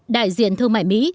đại diện thương mại mỹ